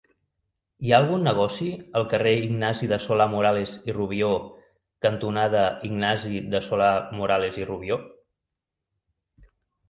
Hi ha algun negoci al carrer Ignasi de Solà-Morales i Rubió cantonada Ignasi de Solà-Morales i Rubió?